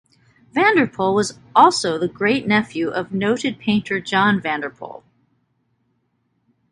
Vanderpoel was also the great nephew of noted painter John Vanderpoel.